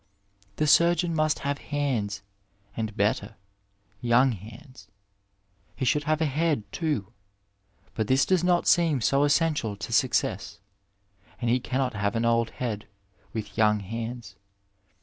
The surgeon must have hands, and better, young hands. He should have a head, too, but this does not seem so essential to success, and he cannot have an old head with young hands.